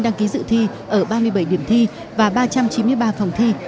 đăng ký dự thi ở ba mươi bảy điểm thi và ba trăm chín mươi ba phòng thi